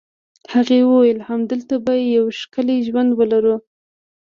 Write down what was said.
هغې وویل: همالته به یو ښکلی ژوند ولرو.